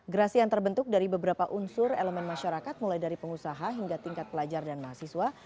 gerasi yang terbentuk dari beberapa unsur elemen masyarakat mulai dari pengusaha hingga tingkat pelajar dan mahasiswa